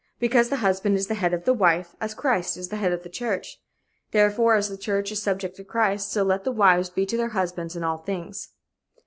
"23 Because the husband is the head of the wife; as Christ is the head of the Church. "24 Therefore, as the Church is subject to Christ, so let the wives be to their husbands in all things."